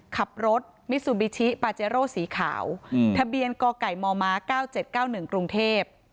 ขับรถมิซูบิชิปาเจโร่สีขาวทะเบียนกไก่มม๙๗๙๑กรุงเทพ